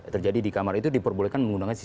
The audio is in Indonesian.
terjadi di kamar itu diperbolehkan menggunakan